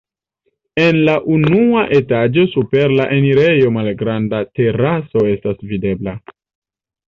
En la unua etaĝo super la enirejo malgranda teraso estas videbla.